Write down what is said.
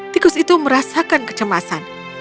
tikus itu merasakan kecemasan